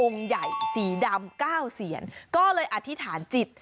ใหญ่สีดำ๙เสียนก็เลยอธิษฐานจิต